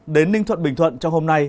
đến ninh thuận bình thuận trong hôm nay